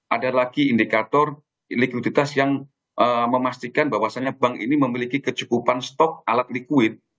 ada lagi indikator likuiditas yang memastikan bahwasannya bank ini memiliki kecukupan stok alat likuid